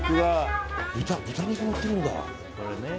豚肉も売ってるんだ。